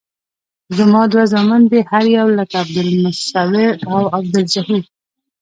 زما دوه زامن دي هر یو لکه عبدالمصویر او عبدالظهور.